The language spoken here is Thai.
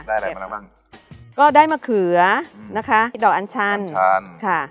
อะไรมาแล้วบ้างก็ได้มะเขือนะคะดอกอัญชันชันค่ะ